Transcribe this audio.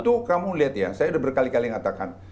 itu kamu lihat ya saya udah berkali kali ngatakan